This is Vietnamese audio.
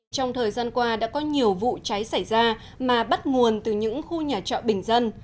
trong thời gian qua đã có nhiều vụ cháy xảy ra mà bắt nguồn từ những khu nhà trọ bình dân